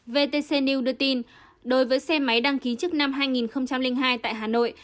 vtc news đưa tin đối với xe máy đăng ký trước năm hai nghìn hai tại hà nội